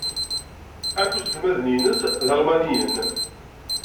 Akk iselmaden-nnes d Almaniyen.